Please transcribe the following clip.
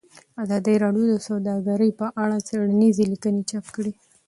ازادي راډیو د سوداګري په اړه څېړنیزې لیکنې چاپ کړي.